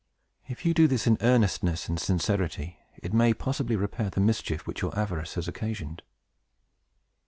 If you do this in earnestness and sincerity, it may possibly repair the mischief which your avarice has occasioned."